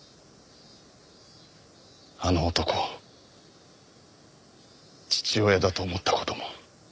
あの男を父親だと思った事も。